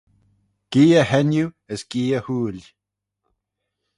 Geay henneu as geay huill,